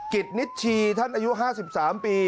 กิจนิชชีท่านอายุ๕๓ปี